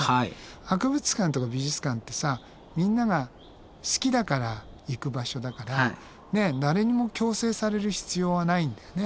博物館とか美術館ってさみんなが好きだから行く場所だから誰にも強制される必要はないんだよね。